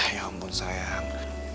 kamu jangan cemburunya sama raya dong